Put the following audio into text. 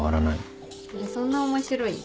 それそんな面白い？